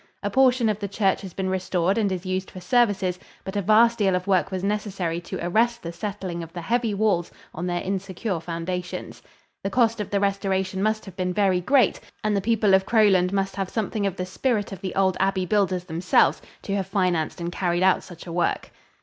A portion of the church has been restored and is used for services, but a vast deal of work was necessary to arrest the settling of the heavy walls on their insecure foundations. The cost of the restoration must have been very great, and the people of Crowland must have something of the spirit of the old abbey builders themselves, to have financed and carried out such a work.